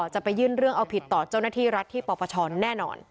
จะไปยื่นเรื่องเอาผิดต่อเจ้าหน้าที่รัฐที่ปปชแน่นอน